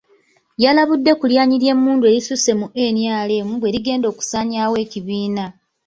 Yalabudde ku lyanyi ly'emmundu erisusse mu NRM bwe ligenda okusanyaawo ekibiina.